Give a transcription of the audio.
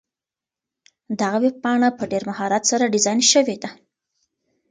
دغه ویبپاڼه په ډېر مهارت سره ډیزاین شوې ده.